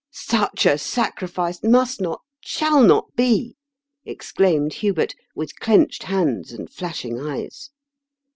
" Such a sacrifice must not — shall not be 1 " exclaimed Hubert, with clenched hands and fiashing eyes.